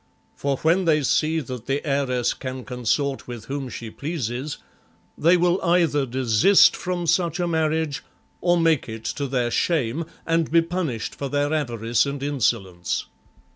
For when they see that the heiress can consort with whom she pleases, they will either desist from such a marriage, or make it to their shame, and be punished for their avarice and insolence.